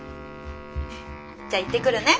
じゃあ行ってくるね。